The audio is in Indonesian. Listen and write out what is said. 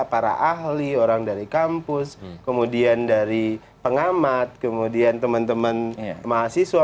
para ahli orang dari kampus kemudian dari pengamat kemudian teman teman mahasiswa